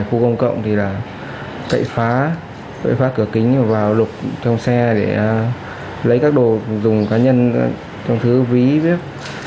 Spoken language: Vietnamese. ở khu công cộng thì là cậy phá cậy phá cửa kính và vào lục trong xe để lấy các đồ dùng cá nhân trong thứ ví víp